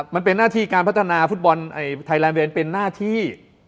มันเป็นหน้าที่การพัฒนาฟุตบอลไทยแลนดเวนเป็นหน้าที่